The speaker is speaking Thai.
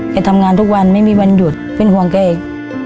ทำงานทุกวันไม่มีวันหยุดเป็นห่วงแกอีก